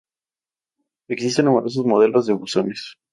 Existen numerosos modelos de buzones.